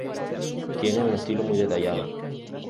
Tiene un estilo muy detallado.